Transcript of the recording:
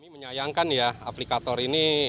menyayangkan ya aplikator ini